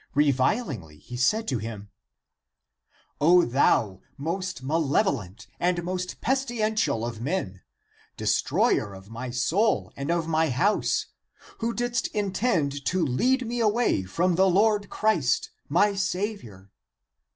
Revilingly he said to him, " O thou most malevolent and most pestilential of men, destroyer of my soul and of my house, who didst intend to lead me away from the Lord Christ, my Saviour."